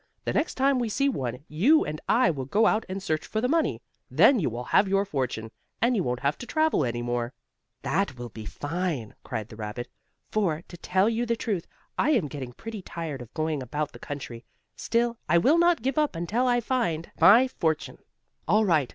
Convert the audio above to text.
The next time we see one, you and I will go out and search for the money. Then you will have your fortune, and you won't have to travel around any more." "That will be fine!" cried the rabbit, "for, to tell you the truth, I am getting pretty tired of going about the country. Still, I will not give up until I find my fortune." "All right.